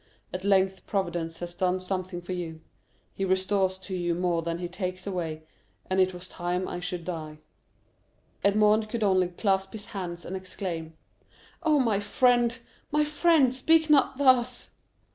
At length Providence has done something for you; he restores to you more than he takes away, and it was time I should die." Edmond could only clasp his hands and exclaim, "Oh, my friend, my friend, speak not thus!"